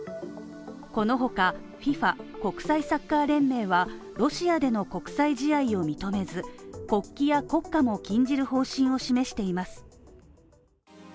このほかＦＩＦＡ＝国際サッカー連盟はロシアでの国際試合を認めず国旗や国歌も禁じる方針を示しています。